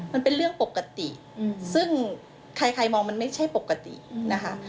มันเป็นเรื่องปกติซึ่งใครมองมันไม่ใช่ปกตินะคะ